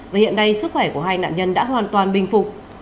và hiện nay sức khỏe của hai nạn nhân đã hoàn toàn bình phục